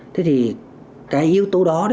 thế thì cái yếu tố đó